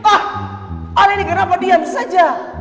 ah ada ini kenapa diam saja